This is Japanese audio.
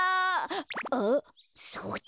あっそうだ。